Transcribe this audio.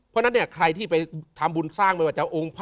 เพราะฉะนั้นใครที่ไปทำบุญสร้าง